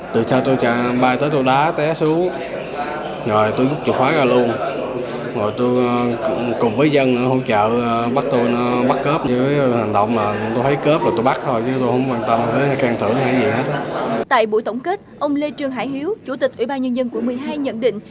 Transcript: tại buổi tổng kết ông lê trương hải hiếu chủ tịch ubnd quận một mươi hai nhận định